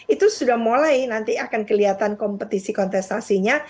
itu sudah mulai nanti akan kelihatan kompetisi kontestasinya